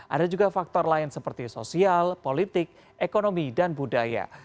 ada juga faktor lain seperti sosial politik ekonomi dan budaya